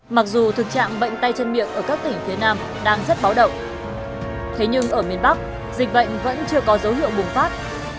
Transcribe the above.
mặc dù thực trạng bệnh tay chân miệng ở các tỉnh phía nam đang rất báo động thế nhưng ở miền bắc dịch bệnh vẫn chưa có dấu hiệu bùng phát